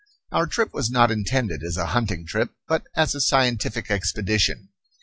Our trip was not intended as a hunting trip but as a scientific expedition.